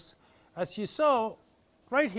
karena seperti yang anda lihat di sini